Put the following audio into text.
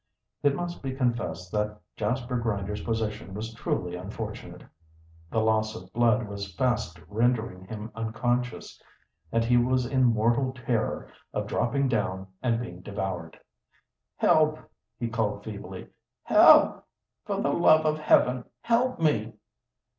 It must be confessed that Jasper Grinder's position was truly unfortunate. The loss of blood was fast rendering him unconscious, and he was in mortal terror of dropping down and being devoured. "Help!" he called feebly. "Help! For the love of Heaven, help me!"